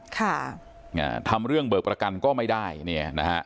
ค่ะอ่าทำเรื่องเบิกประกันก็ไม่ได้เนี่ยนะฮะ